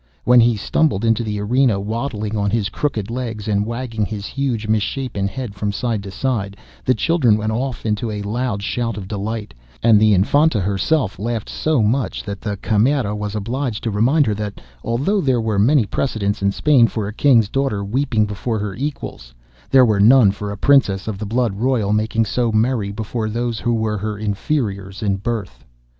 When he stumbled into the arena, waddling on his crooked legs and wagging his huge misshapen head from side to side, the children went off into a loud shout of delight, and the Infanta herself laughed so much that the Camerera was obliged to remind her that although there were many precedents in Spain for a King's daughter weeping before her equals, there were none for a Princess of the blood royal making so merry before those who were her inferiors in birth.